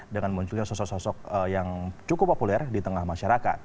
dengan munculnya sosok sosok yang cukup populer di tengah masyarakat